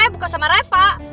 bukan sama reva